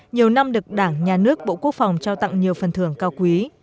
nhiều năm được đảng nhà nước bộ quốc phòng trao tặng nhiều phần thưởng cao quý